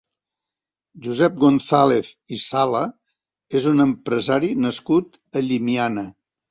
Josep González i Sala és un empresari nascut a Llimiana.